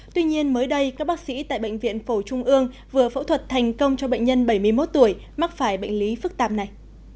tuy nhiên mới đây các bác sĩ tại bệnh viện phổ trung ương vừa phẫu thuật thành công cho bệnh nhân bảy mươi một tuổi mắc phải bệnh lý phức tạp này